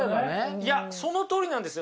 いやそのとおりなんですよ。